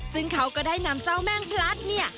ซึ่งเขาก็ได้นำเจ้าแม่งพลัดเนี่ย